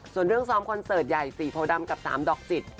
ส่วนเรื่องซ้อมคอนเสิร์ตใหญ่๔โพดำกับ๓ดอกจิต